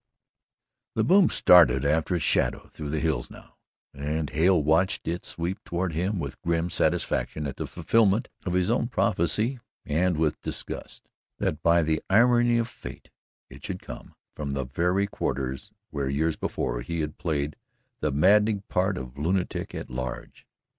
XX The boom started after its shadow through the hills now, and Hale watched it sweep toward him with grim satisfaction at the fulfilment of his own prophecy and with disgust that, by the irony of fate, it should come from the very quarters where years before he had played the maddening part of lunatic at large.